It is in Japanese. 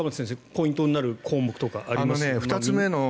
ポイントになる項目とかありますか。